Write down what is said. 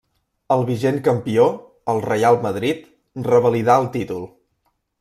El vigent campió, el Reial Madrid, revalidà el títol.